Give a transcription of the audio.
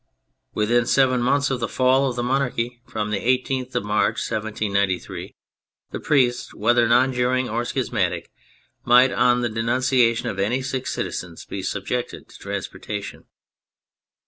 Within seven months of the fall of the monarchy, from the 18th of March, 1793, the priests, whether non juring or schismatic, might, on the denunciation of any six citizens, be subjected to transportation.